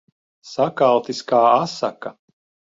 Sakaltis kā asaka.